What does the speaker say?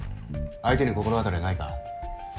相手に心当たりはないか？